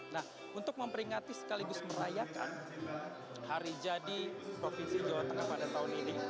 nah untuk memperingati sekaligus merayakan hari jadi provinsi jawa tengah pada tahun ini